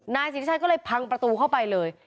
นายสิทธิชัยก็เลยพังประตูเข้าไปเลย